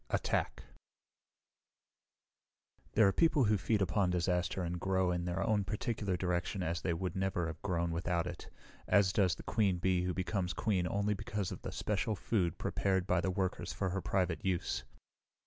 Attack There are people who feed upon disaster and grow in their own particular direction as they would never have grown without it, as does the queen bee who becomes queen only because of the special food prepared by the workers for her private use.